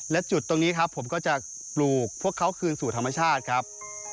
และจุดตรงนี้ครับผมก็จะปลูกพวกเขาคืนสู่ธรรมชาติครับ